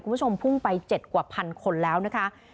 คุณผู้ชมพุ่งไป๗กว่าพันคนแล้วนะคะ